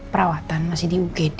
perawatan masih di ugd